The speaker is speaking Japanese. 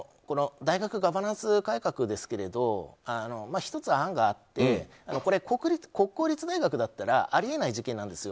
大学ガバナンス改革ですけれど１つ案があってこれ、国公立大学だったらありえない事件なんですよ。